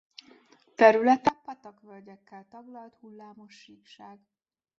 Területe patakvölgyekkel taglalt hullámos síkság.